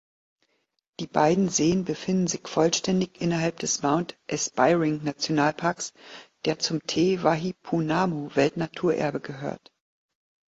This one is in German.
Die beiden Seen befinden sich vollständig innerhalb des Mount-Aspiring-Nationalparks, der zum Te Wahipounamu-Weltnaturerbe gehört.